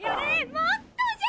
もっとじゃ！